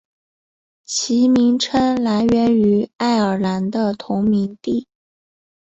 其名称来源于爱尔兰的同名地。